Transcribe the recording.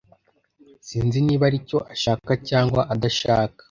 Sinzi niba aricyo ashaka cyangwa adashaka.